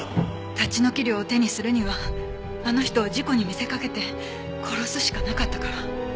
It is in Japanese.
立ち退き料を手にするにはあの人を事故に見せかけて殺すしかなかったから。